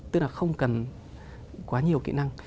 tức là không cần quá nhiều kỹ năng